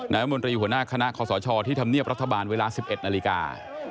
รัฐมนตรีหัวหน้าคณะคอสชที่ธรรมเนียบรัฐบาลเวลา๑๑นาฬิกา